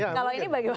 kalau ini bagaimana